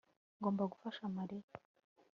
Ngomba gufasha Mariya